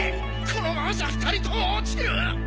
このままじゃ２人とも落ちる。